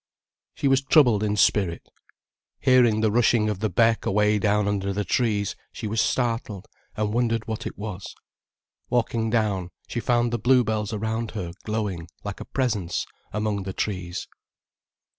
She was troubled in spirit. Hearing the rushing of the beck away down under the trees, she was startled, and wondered what it was. Walking down, she found the bluebells around her glowing like a presence, among the trees.